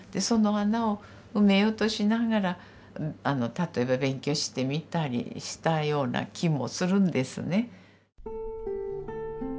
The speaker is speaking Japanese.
その穴を埋めようとしながら例えば勉強してみたりしたような気もするんですね。